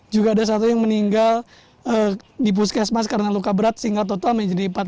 juga ada satu yang meninggal di puskesmas karena luka berat sehingga total menjadi empat puluh